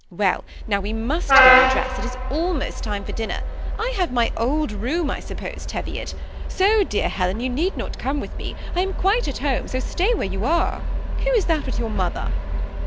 Well, now we must go and dress, it is almost time for dinner. I have my old room, I suppose, Teviot; so, dear Helen, you need not come with me, I am quite at home, so stay where you are. Who is that with your mother